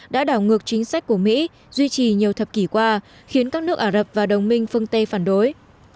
đã đảo ngược chính sách của mỹ duy trì nhiều thập kỷ qua khiến các nước ả rập và đồng minh phương tây phản đối